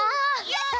やった！